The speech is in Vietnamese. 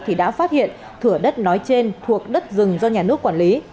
thì đã phát hiện thửa đất nói trên thuộc đất rừng do nhà nước quản lý